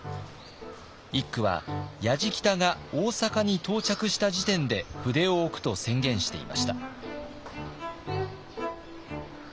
一九はやじきたが大坂に到着した時点で筆を置くと宣言していました。